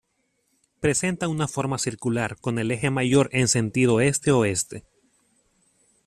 Presenta una forma circular con el eje mayor en sentido este-oeste.